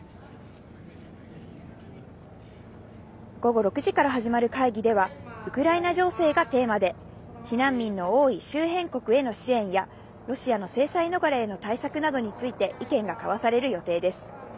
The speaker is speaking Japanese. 午後６時から始まる会議では、ウクライナ情勢がテーマで、避難民の多い周辺国への支援や、ロシアの制裁逃れへの対策などについて意見が交わされる予定です。